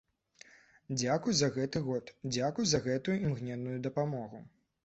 Дзякуй за гэты год, дзякуй за гэтую імгненную дапамогу.